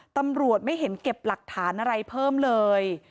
ตำรวจไม่เห็นเก็บหลักฐานอะไรเพิ่มเลย